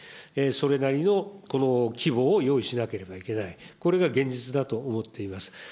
それなりの規模を用意しなければいけない、これが現実だと思っています。